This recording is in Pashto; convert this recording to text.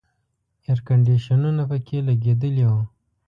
اییر کنډیشنونه پکې لګېدلي وو.